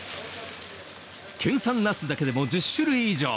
県産ナスだけでも１０種類以上。